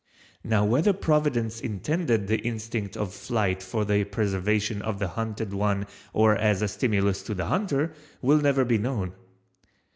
Now whether Providence intended the instinct of flight for the preservation of the hunted one or as a stimulus to the hunter, will never be known.